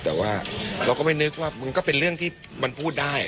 แต่ว่าเราก็ไม่นึกว่ามันก็เป็นเรื่องที่มันพูดได้